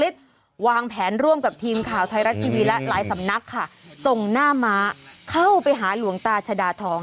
ส่งหน้าม้าเข้าไปหาหลวงตาชดาทอง